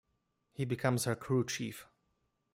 He becomes her crew chief.